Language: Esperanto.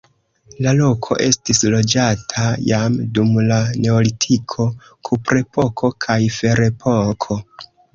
La loko estis loĝata jam dum la neolitiko, kuprepoko kaj ferepoko.